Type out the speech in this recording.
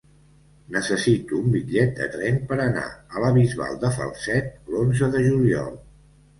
Necessito un bitllet de tren per anar a la Bisbal de Falset l'onze de juliol.